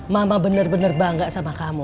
mama bener bener bangga sama kamu